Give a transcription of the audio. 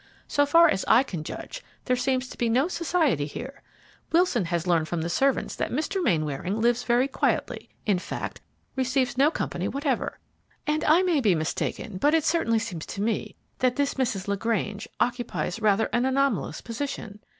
So far as I can judge, there seems to be no society here. Wilson has learned from the servants that Mr. Mainwaring lives very quietly, in fact, receives no company whatever; and, I may be mistaken, but it certainly seems to me that this Mrs. LaGrange occupies rather an anomalous position.